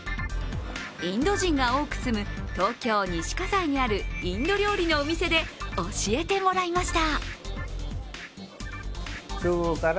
インド人が多く住む東京・西葛西にあるインド料理のお店で教えてもらいました。